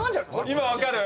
今分かる？